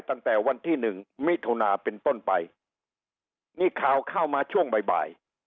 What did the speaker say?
ตั้งแต่วันที่๑มิธตานเป็นต้นไปนี้ข่าวเข้ามาช่วงบ่าย